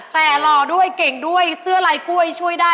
แต่หล่อด้วยเก่งด้วยเสื้อลายกล้วยช่วยได้